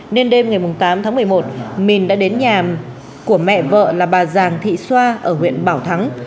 nên đêm ngày tám tháng một mươi một minh đã đến nhà của mẹ vợ là bà giàng thị xoa ở huyện bảo thắng